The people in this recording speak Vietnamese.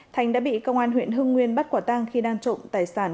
thành đã bị công an huyện hưng nguyên bắt quả tang khi đang trộm tài sản